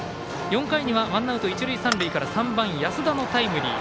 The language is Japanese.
４回にはワンアウト、一塁三塁から安田のタイムリー。